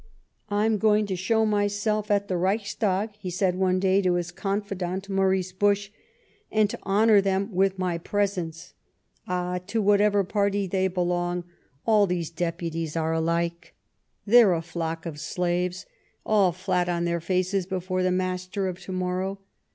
" I'm going to show myself at the Reichstag," he said one day to his confidant, Maurice Busch, "and to honour them with my presence. Ah [ to whatever party they belong, all these 200 Last Fights Deputies are alike. They're a flock of slaves, all flat on their faces before the master of to morrow.